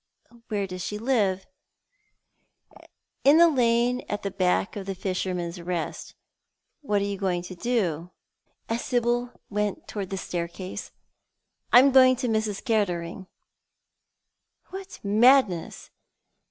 " Where does she live ?"" In the lane at the back of the Fisherman's Eest. What are you going to do? " as Sibyl went towards the staircase. " I am going to Mrs. Kettering." "What madness!